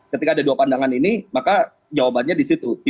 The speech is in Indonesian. ketika ada dua pandangan ini maka jawabannya di situ